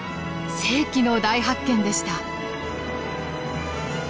世紀の大発見でした。